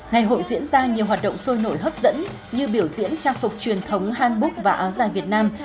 ngày hội diễn ra nhiều hoạt động sôi nổi hấp dẫn như biểu diễn trang phục truyền thống hanbuk và áo dài việt nam